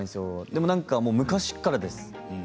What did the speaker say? でも昔からです。